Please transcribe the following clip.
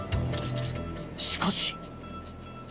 しかし。